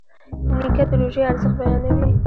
نیکه د روژې ارزښت بیانوي.